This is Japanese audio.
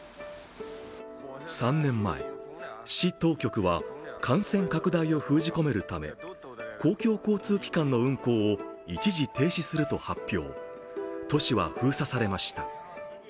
３年前、市当局は感染拡大を封じ込めるため公共交通機関の運行を一時停止すると発表、都市は封鎖されました。